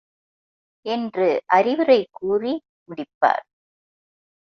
என்று அறிவுரை கூறி முடிப்பார்.